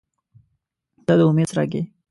• ته د امید څرک یې.